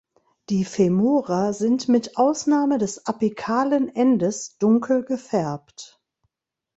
Die Femora sind mit Ausnahme des apikalen Endes dunkel gefärbt.